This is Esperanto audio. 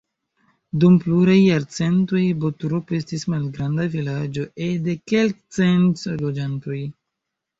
Dum pluraj jarcentoj Bottrop estis malgranda vilaĝo ede kelkcent loĝantoj.